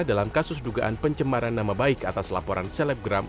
dalam kasus dugaan pencemaran nama baik atas laporan selebgram